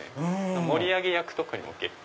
盛り上げ役とかにも結構。